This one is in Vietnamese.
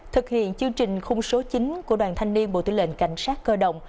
thực hiện chương trình khung số chín của đoàn thanh niên bộ tư lệnh cảnh sát cơ động